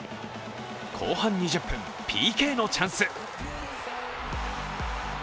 後半２０分、ＰＫのチャンス。